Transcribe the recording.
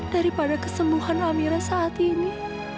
daripada kesembuhan amira saat ini